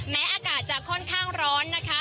อากาศจะค่อนข้างร้อนนะคะ